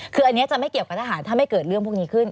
คืออันนี้จะไม่เกี่ยวกับทหารถ้าไม่เกิดเรื่องพวกนี้ขึ้น